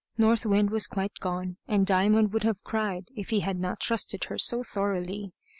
North Wind was quite gone; and Diamond would have cried, if he had not trusted her so thoroughly.